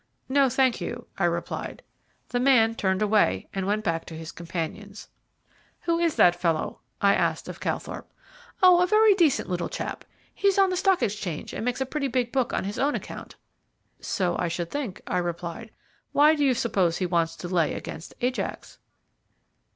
"No, thank you," I replied. The man turned away, and went back to his companions. "Who is that fellow?" I asked of Calthorpe. "Oh, a very decent little chap. He's on the Stock Exchange, and makes a pretty big book on his own account." "So I should think," I replied. "Why do you suppose he wants to lay against Ajax?"